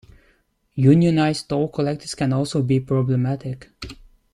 Unionized toll collectors can also be problematic.